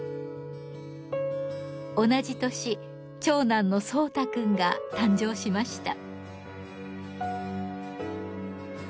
同じ年長男の蒼太くんが誕生しました。